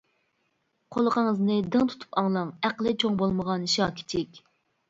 قۇلىقىڭىزنى دىڭ تۇتۇپ ئاڭلاڭ ئەقلى چوڭ بولمىغان شاكىچىك!